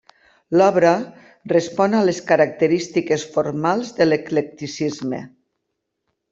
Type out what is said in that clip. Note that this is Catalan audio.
L'obra respon a les característiques formals de l'eclecticisme.